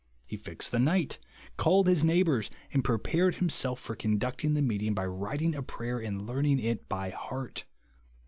He fixed the night ; called his neighbours ; and prepared himself for con ducting the meeting, by writing a prayer and learning it by heart.